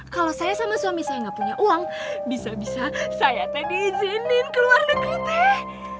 kalau saya sama suami saya nggak punya uang bisa bisa saya teh diizinin ke luar negeri teh